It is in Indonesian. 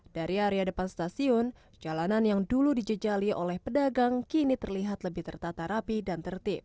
dari area depan stasiun jalanan yang dulu dijejali oleh pedagang kini terlihat lebih tertata rapi dan tertib